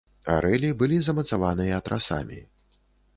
Арэлі былі замацаваныя трасамі.